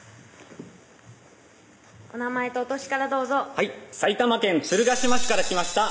お名前とお歳からどうぞはい埼玉県鶴ヶ島市から来ました